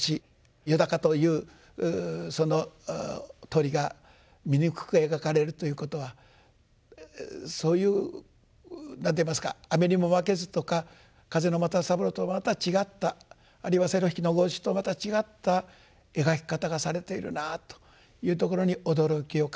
「よだか」というその鳥が醜く描かれるということはそういう何ていいますか「雨ニモマケズ」とか「風の又三郎」とまた違ったあるいは「セロ弾きのゴーシュ」とまた違った描き方がされているなというところに驚きを感じ。